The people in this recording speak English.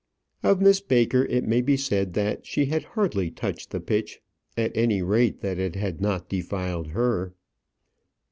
Of Miss Baker it may be said that she had hardly touched the pitch; at any rate, that it had not defiled her.